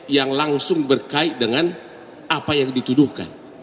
yang langsung berkait dengan apa yang dituduhkan